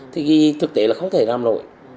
thì thực tế là không thể làm nổi